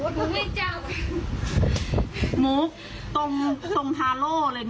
โอ้เอาเอ็งมาดูสิดูดิมัน